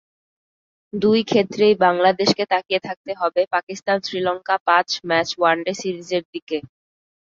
দুই ক্ষেত্রেই বাংলাদেশকে তাকিয়ে থাকতে হবে পাকিস্তান-শ্রীলঙ্কা পাঁচ ম্যাচ ওয়ানডে সিরিজের দিকে।